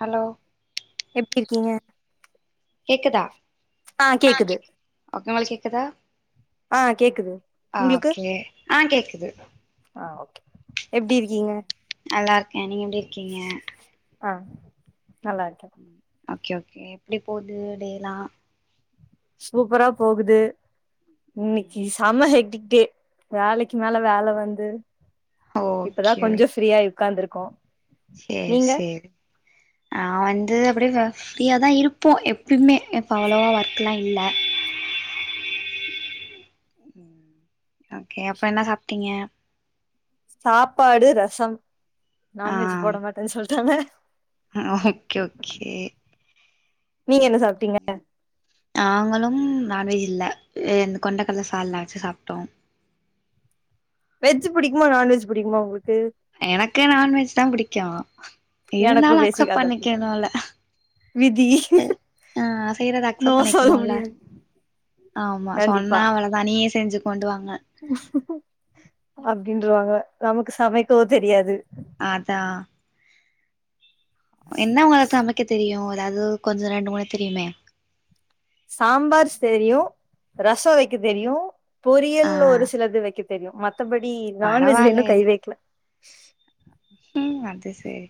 hello எப்டி இருக்கீங்க கேக்குதா ஆ கேக்குது அக்கா உங்களுக்கு கேக்குதா ஆ கேக்குது ஓகே ஆ கேக்குது ஆ ஓகே நல்லாருக்கே நீங்க எப்டி இருக்கீங்க ஆ நல்லாருக்கே ஓகே ஓகே எப்டி போது டேலா சூப்பரா போகுது இன்னைக்கு செம ஹெட்டிக்ட்டே வேலைக்கு மேல வேல வந்து இப்பதா ஓகே ஓகே கொஞ்ச ஃப்ரீயாயி ஒக்காந்துருக்கோ சேரி சேரி நா வந்து அப்டியே வ ஃப்ரீயா தா இருப்போ எப்பயுமே இப்ப அவளவா ஒர்க்குலா இல்ல ஓகே அப்ப என்ன சாப்ட்டீங்க சாப்பாடு ரசம் நான்வெஜ் போட மாட்டேன் சொல்ட்டாங்க ம் ஓகே ஓகே நீங்க என்ன சாப்ட்டீங்க நாங்களும் நான்வெஜ் இல்ல அ இந்த கொண்டைக் கடல சால்னா வச்சு சாப்ட்டோ வெஜ் புடிக்குமா நான்வெஜ் புடிக்குமா உங்களுக்கு எனக்கு நான்வெஜ் தா புடிக்கு எனக்கு இருந்தாலு அக்சப் பேசிக்காதா பண்ணிக்கனுல்ல விதி ஆ செய்றத நோ அக்சப் சொல்ல பண்ணிக்கனுல்ல முடியாது ஆமா கண்டிப்பா சொன்னா அவள நீயே செஞ்சிக் கொண்டுவாங்க அப்டின்ருவாங்க நமக்கு சமைக்கவு தெரியாது அதா என்ன உங்களுக்கு சமைக்க தெரியு அதாவது கொஞ்ச ரெண்டு மூணு தெரியுமே சாம்பார் செரியு ரசோ வெக்க தெரியு ஆ பொரியல் ஒரு சிலது வெக்க தெரியு மத் தபடி நான் வெஜ்ல இன்னு பரவால்லயே கை வெக்ல ம் அது சேரி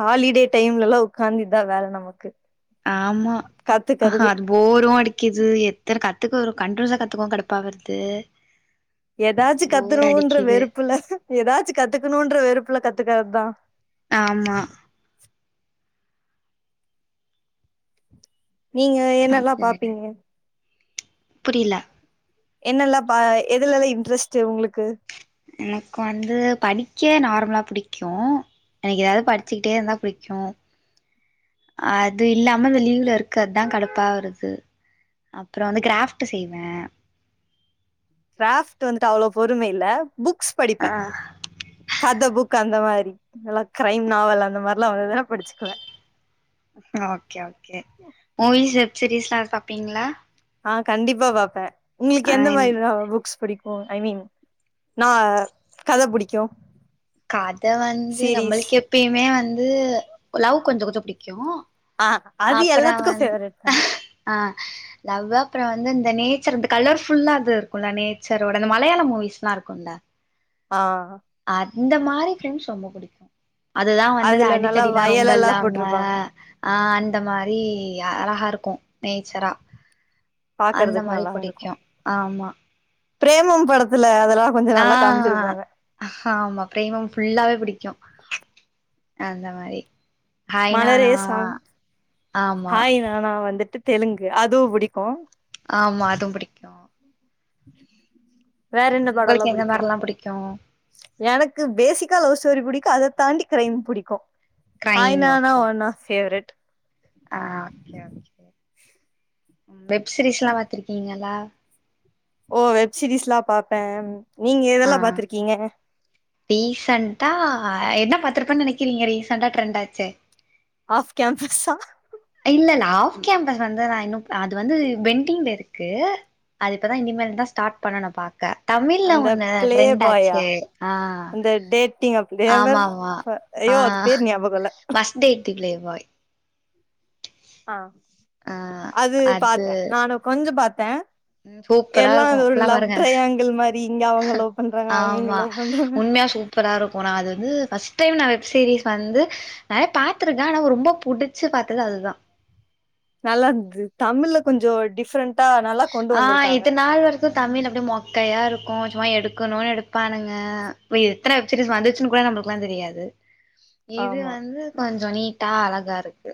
ஹாலிடே டைம்லலா உக்காந்து இதா வேல நமக்கு ஆமா கத்துக்கறது அது போரு அடிக்கிது எத்தன கத்துக்க வரு கன்டினியூஸா கத்துக்கவு கடுப்பா வருது ஏதாச்சு போர் கத்துருவோன்ற அடிக்குது வெறுப்புல ஏதாச்சி கத்துக்கணுன்ற வெறுப்புல கத்துக்கற தா ஆமா நீங்க என்னல்லா பாப்பீங்க புரியில என்னல்லா பா எதுலலா இன்ட்ரெஸ்டு உங்களுக்கு எனக்கு வந்து படிக்க நார்மலா புடிக்கு எனக்கு ஏதாவது படிச்சிக்கிட்டே இருந்தா புடிக்கு அது இல்லாம இந்த லீவ்ல இருக்கதா கடுப்பா வருது அப்றோ வந்து கிராஃப்ட்டு செய்வே கிராப்ட் வந்துட்டு அவ்ளோ பொறும இல்ல புக்ஸ் படிப்பே ஆ கத புக் அந்த மாரி நல்லா கிரைம் நாவல் அந்த மாரிலா வந்துதுனா படிச்சுக்குவே ஓகே ஓகே மூவிஸ் வெப் சீரிஸ்லா எது பாப்பீங்ளா ஆ கண்டிப்பா பாப்பே உங்குளுக்கு ஆ எந்த மாரிலா புக்ஸ் புடிக் ஓ ஐ மின் நா கத புடிக்கு கத வந்து சீரீஸ் நம்மள்க்கு எப்பேயுமே வந்து லவ் கொஞ்சோ கொஞ்சோ புடிக்கு ஆ அது அப்பற எல்லாத்துக்கு வந்த் ஃபேவரட் தா ஆ லவ் அப்றோ வந்து இந்த நேச்சர் அந்த கலர் ஃபுல்லா அது இருக்குல்ல நேச்சரோட அந்த மலயாள மூவிஸ்லா இருக்குல்ல ஆ அந்த மாரி ஃபில்ம்ஸ் ரொம்ப புடிக்கு அதுதா வந்து நா அதுல நல்லா அடித்தடில்லா ரொம்ப வயலெல்லா இல்லாம போட்ருப்பாங்க ஆ அந்த மாரி அழகா இருக்கு நேச்சரா அந்த பாக்கறதுக்கு மாரி நல்லா இருக்கு புடிக்கு ஆமா பிரேமம் படத்துல அதெல்லா கொஞ்ச நல்லா காமிச்சிருப்பாங்க ஆஹா ஹாமா பிரேமம் ஃபுல்லாவே புடிக்கு அந்த மாரி ஹாய் மலரே நானா சாங் ஆமா ஹாய் நானா வந்துட்டு தெலுங்கு அதுவு புடிக்கு ஆமா அதும் புடிக் வேற என்ன பாடோலா உங்களுக்கு எந்த புடிக்கு மாரிலா புடிக்கு எனக்கு பேசிக்கா லவ் ஸ்டோரி புடிக்கு அத தாண்டி கிரைம் புடிக்கு கிரைம் ஹாய்னானா ஓகே ஒன் ஆஃப் ஃபேவரட் ஆ ஓகே ஓகே வெப் சீரிஸ்ல்லா பாத்திருக்கீங்களா ஓ வெப் சீரிஸ்லா பாப்பே நீங்க எதெல்லா பாத்துருக்கீங்க டிசன்டா என்ன பாத்திருப்பன்னு நெனக்கிறீங்க ரீசெண்டா ட்ரெண்ட் ஆச்சே ஆஃப் கேம்பஸ்ஸா இல்ல இல்ல ஆஃப் கேம்பஸ் வந்து நா இன்னு ப அது வந்து பென்டிங்ல இருக்கு அது இப்பதா இனிமேல் தா ஸ்டார்ட் பண்ணனு பாக்க தமிழ்ல அந்த ஒண்ணு பிளே ட்ரெண்ட் பாயா ஆச்சு ஆ அந்த டேட்டிங் அப் ஆமா தேவர் ஃப அய்யோ அது பேர் ஞாபகோ இல்ல ஃபஸ்ட் டேட்டு பிளேபாய் ஆ ஆ அது பாத்தே நானு கொஞ்ச பாத்தே சூப்பரா எல்லா அந்த இருக்கும் ஒரு ஃபுல்லா லவ் பாருங்க ட்ரையாங்கிள் மாரி இங்க அவங்கள லவ் பண்றாங்க அவங்க இங்க லவ் பண்றாங்க ப்பரா இருக்கு நா அது வந்து ஃபஸ்ட் டைம் நா வெப் சீரிஸ் வந்து நெறய பாத்துருக்கே ஆனா ஒ ரொம்ப புடிச்சு பாத்தது அதுதா நல்லாது தமிழ்ல கொஞ்சோ டிப்ரெண்டா நல்லாக் ஆ இது நாள் வர் கு தமிழ் அப்படி மொக்கயா இருக்கு சும்மா எடுக்கணுனு எடுப்பானுங்க வையத் த்ர வெப் சீரிஸ் வந்துச்சுனு கூட நம்பளுக்குலா தெரியாது இது ஆமா வந்து கொஞ்சோ நீட்டா அழகா இருக்கு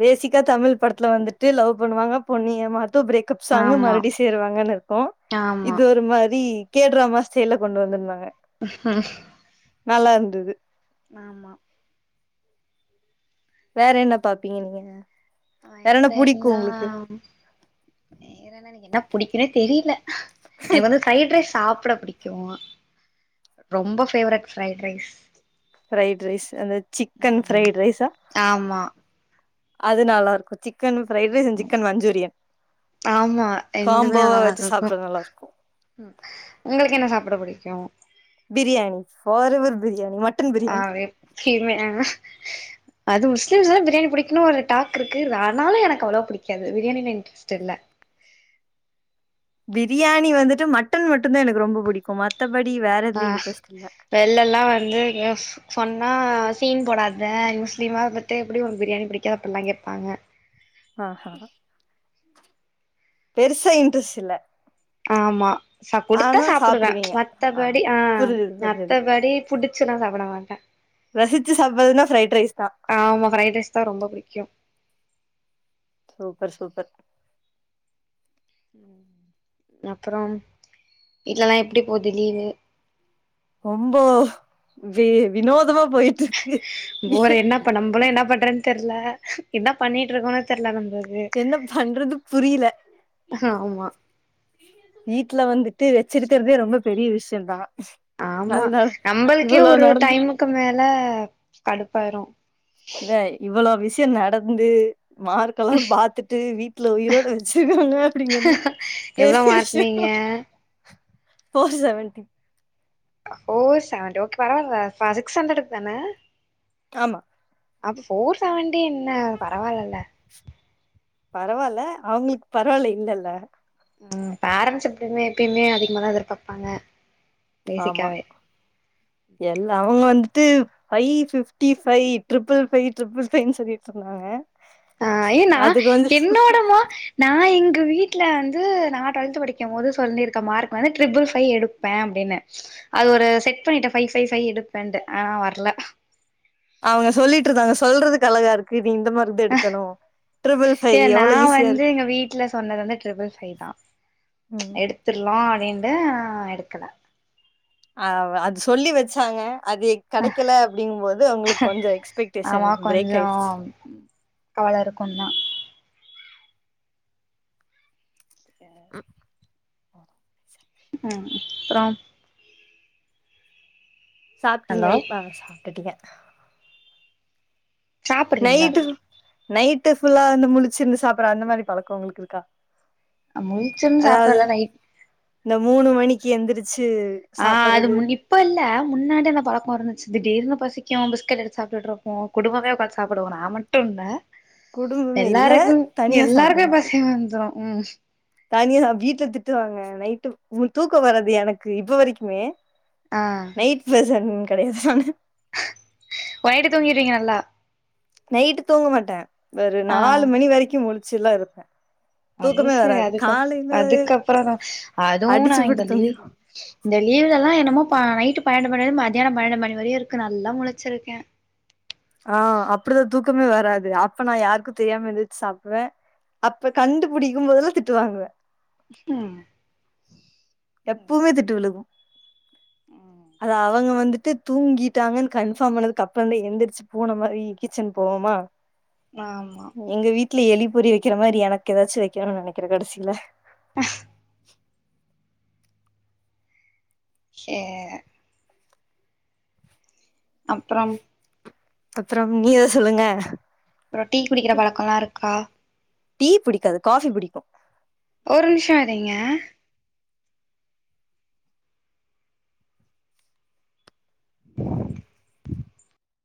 பேசிக்கா தமிழ் படத்துல வந்துட்டு லவ் பண்ணுவாங்க பொண்ணு ஏமாத்து பிரேக் கப் சாங்கு ஆமா மறுவ்டி சேருவாங்கன்னு இருக்கோ ஆமா இது ஒரு மாரி கே டிராமா ஸ்டைல்ல கொண்டு வந்திருந்தாங்க ம் நல்லாருந்தது ஆமா வேற என்ன பாப்பீங்க நீங்க வேற என்ன புடிக்கு உங்களுக்கு வேறன என்ன எனக்கு பிடிக்குனே தெரியில எனக்கு வந்து பிரைட் ரைஸ் சாப்ட புடிக் கு ரொம்ப favourite fried rice fried rice அந்த சிக்கன் ம் ஃப்ரைட் ரைஸா ஆமா அது நல்லாருக்கு சிக் கன்னு fried rice and chicken Manchurian ஆமா காம்போவா வச்சு சாப்ட்ற நல்லாருக்கு ம் உங்களுக்கு என்ன சாப்ட புடிக்கு பிரியணி ஃபாரெவர் பிரியாணி மட் அ வெப் ஃபீமே அ அது முஸ்லிம்ஸ்லா பிரியாணி பிடிக்குனு ஒரு டாக்கிருக்கு ஆனாலு எனக்கு அவ்ளவா புடிக்காது பிரியாணி இன்ட் ஸ்டெல்ல பிரியாணி வந்துட்டு மட்டன் மட்டுந்தா எனக்கு ரொம்ப புடிக்கு மத்தபடி வேற எதுலயு இன்ட்ரஸ்ட் இல்ல வெள்லல்லா வந்து எங்கயு சொன்னா சீன் போடாத முஸ்லீமா இருந்துட் டு எப்டி உனக்கு பிரியாணி புடிக்காது அப்டிலா கேப்பாங்க ஆஹ பெருசா இன்ட்ரெஸ் இல்ல ஆமா ச குடுத்தா ஆனா சாப்புடுவ ம்ச் சாப்டுவீங்க மத்தபடி ஆ புரிஞ்சுது புரிஞ்சுது மத்தபடி புடிச்சுல்ல சாப்பட மாட்ட ரசிச்சி சாப்ட்றதுன்னா ஃப்ரைட் ரைஸ் தா ஆமா ஃப்ரைட் ரைஸ் தா ரொம்ப புடிக்கு சூப்பர் சூப்பர் ம் அப்றம் வீட்லல்லா எப்டி போது லீவு ரொம்போ வி வினோதமா போயி போற என்னப்ப நம்மபளு என்ன பண்றன்னு தெர்ல என்ன பண்ணிட்டு இருக்கோனு தெர்ல நம்ப என்ன பண்றது புரியல ஆமா வீட்ல வந்துட்டு வச்சிருக்கறதே ரொம்ப பெரிய விஷியந்தா ஆமா நம்பளுக்கே ஒரு டைமுக்கு மேல கடுப்பாயிரு இவே இவ்வளோ விஷயோ நடந்து மார் இதெல்லா பாத்துட்டு வீட்ல உயிரோட வச்சிருக்காங்க அப்டிங்கிறதே எவ்ளோ பெரிய விஷயோ மார்க்னீங்க four seventy four seventy okay பரவால்ல சிக்ஸ் ஹண்ட்ரெட்க்கு தான ஆமா அப்ப ஃபோர் செவண்டி என்ன பரவால்லல பரவால்ல அவுங்களுக்கு பரவால்ல இல்லல்ல ம் பேரண்ட்ஸ் எப்டியுமே எப்பயுமே அதிகமாதா எதிர்பாப்பாங்க ஆமா பேசிக்காவே எல்லா அவங்க வந்துட்டு five fifty five triple five triple ஃபைவ்ன்னு சொல்லிட்ருக் சொன்னாங்க ஆ ஐயோ நா என்னோடமா நா எங்க வீட்ல வந்து நா டு்வல்த் படிக்கும்போது சொல்லிருக்கே மார்க் வந்து ட்ரிபிள் ஃபைவ் எடுப் பே அப்டின்னு அது ஒரு செட் பண்ணிட்டே ஃபைவ் ஃபைவ் ஃபைவ் எடுப்பேன்ட்டு ஆனா வர்ல அவங்க சொல்லிட்ருந்தாங்க சொல்றதுக்கு அழகாருக்கு நீ இந்த மாரி இது எடுக்கணு டிரிபிள் ஏ ஃபைவ் நா எவ்ளோ ஈஸியா வந்து இருக்கு எங்க வீட்ல சொன்னது வந்து ட்ரிபிள் ஃபைவ் தா ம் எடுத்துர்லா அப்டின்ட்டு ஆ எடுக்கல அவ அது சொல்லி வச்சாங்க அது கெடைக்கல அப்டிங்கும் போது அவங்களுக்கு கொஞ்சோ எக்ஸ்பெக்டேஷன் ஆமா பிரேக் கொஞ்சோ ஆயிடுச்சி கவல இருக்குந்தா [inaudible] ம் அப்றோம் சாப்ட்டீங்களா ஹலோ இப்ப சாப்ட்டுருக்கே சாப்புட்றீங்களா நைட்டு நைட்டு ஃபுல்லா வந்து முழிச்சிருந்து சாப்ட்ற அந்த மாரி பழக்கோ ஒங்களுக்கு இருக்கா முழிச்சிருந்து அதாவது சாப்ட்ற நைட் இந்த மூணு மணிக்கு எந்திரிச்சு ஆ அது சாப்பறது முன்னி இப்ப இல்ல முன்னாடி அந்த பழக்கோ இருந்துச்சு திடீர்னு பசிக்கு பிஸ்கெட் எடுத்து சாப்ட்டு்ட்டு இருப்போ குடும்பமே ஒக்காந்து சாப்டுவோ நா மட் டு இல்ல குடும்பமே இல்ல எல்லாருக்கு தனியா எல்லாருக்குமே சாப்டுவே பசி வந்துரு ம் தனியா சாப் வீட்ல திட்டுவாங்க நைட்டு உ தூக்கோ வராது எனக்கு இப்ப வரைக்குமே ஆ நைட் பர்சன் கெடையாதுதான போய்ட்டு தூங்கிட்றீங்க நல்லா நைட்டு தூங்க மாட்டே ஒரு ஆ நாலு மணி வரைக்கு முழிச்சுல்லா இருப்பே அது தூக்கமே சரி வராது அதுக்கு காலையில கு அதுக்கப்றந்தா அதுவு நா அடிச்சு போட்டு இந்த லீவு தூங்கிருவே இந்த லீவ்லெல்லா என்னமோ ப நைட்டு பன்னெண்டு மணிலந்து மதியானோ பன்னெண்டு மணி வரையு இருக்கு நல்லா முழுச்சிருக்கே ஆ அப்டிதா தூக்கமே வராது அப்ப நா யார்க்கு தெரியாம எந்துருச்சு சாப்டுவே அப்ப கண்டுபிடிக்கும் போதெல்லா திட்டு வாங்குவே ஹும் எப்பவுமே திட்டு விழுகும் அது அவங்க வந்துட்டு தூங்கிட்டாங்கன் கன்ஃபார்ம் பண்ணதுக்கப்றதே எந்திர்ச்சு பூன மாரி கிச்சன் போவமா ஆமா எங்க வீட்ல எலி பொறி வைக்கிற மாரி எனக் எதாச்சு வெக்கணுன் நெனைக்கிறே கடைசில ஹ [inaudible] ஏ அப்றம் அப்றம் நீ எதோ சொல்லுங்க அப்றோ டீ குடிக்கிற பழக்கோலாருக்கா டீ புடிக்காது காஃபி புடிக்கு ஒர் நிம்ஷோ இரீங்க